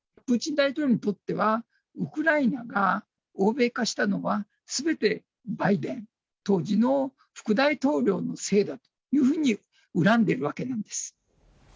プーチン大統領にとっては、ウクライナが欧米化したのは、すべてバイデン、当時の副大統領のせいだというふうに恨んでいるわけなんです。